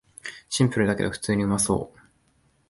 シンプルだけど普通にうまそう